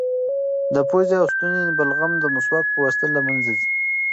د پوزې او ستوني بلغم د مسواک په واسطه له منځه ځي.